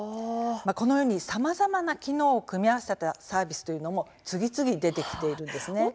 このように、さまざまな機能を組み合わせたサービスも次々に出てきています。